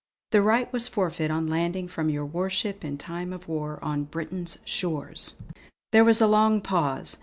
The right was forfeit on landing from your warship in time of war on British shores!" There was a long pause.